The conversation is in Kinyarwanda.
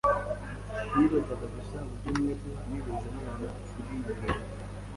Nibazaga gusa uburyo mwebwe mwigeze mubona kuriyi ngingo.